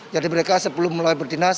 jadi mereka sebelum mulai berdinas